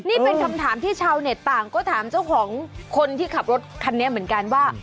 นี่เป็นคำถามที่ชาวเน็ตต่างก็ถามเจ้าของคนที่ขับรถคันนี้เหมือนกันว่า